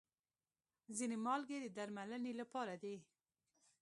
ځینې مالګې د درملنې لپاره دي.